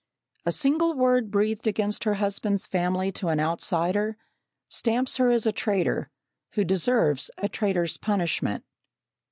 A single word breathed against her husband's family to an outsider stamps her as a traitor, who deserves a traitor's punishment.